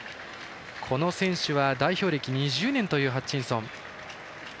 この選手は代表歴２０年のハッチンソン。